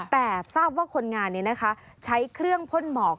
แต่ทราบว่าคนงานนี้นะคะใช้เครื่องพ่นหมอก